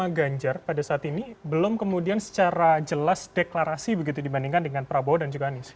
atau kemudian karena nama ganjar pada saat ini belum kemudian secara jelas deklarasi begitu dibandingkan dengan prabowo dan jokowani sih